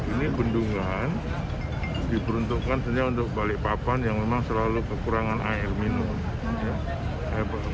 ini bendungan diperuntukkan hanya untuk balikpapan yang memang selalu kekurangan air minum